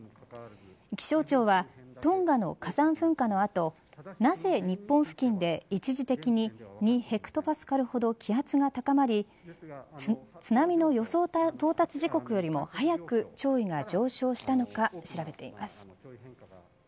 気象庁はトンガの火山噴火の後なぜ日本付近で一時的に２ヘクトパスカルほど気圧が高まり津波の予想到達時刻よりも早く潮位が上昇したのか調べています。